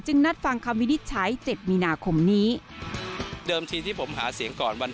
จึงนัดฟังคำวินิจฉัย๗มีนาคมนี้